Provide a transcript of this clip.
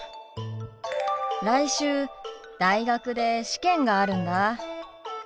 来週大学で試験があるんだ。